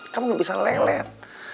kamu gak bisa lelet